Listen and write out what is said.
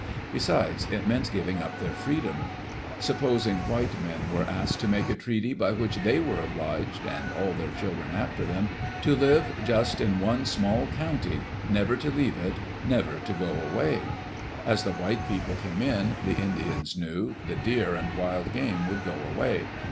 Besides, it meant giving up their freedom. Supposing white men were asked to make a treaty by which they were obliged, and all their children after them, to live just in one small county — Digitized by CjOOQ IC THE GREAT COUNCIL AT WALLA WALLA never to leave it, never to go away I As the white people came in, the Indians knew, the deer and wild game would go away.